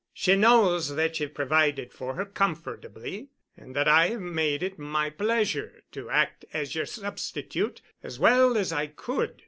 She knows that ye've provided for her comfortably, and that I have made it my pleasure to act as yer substitute, as well as I could.